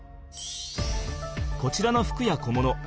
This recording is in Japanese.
こちらの服や小物。